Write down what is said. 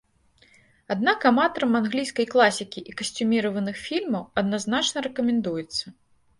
Аднак аматарам англійскай класікі і касцюміраваных фільмаў адназначна рэкамендуецца.